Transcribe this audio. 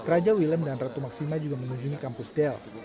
raja willem dan ratu maksima juga mengunjungi kampus del